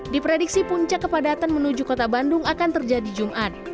diprediksi puncak kepadatan menuju kota bandung akan terjadi jumat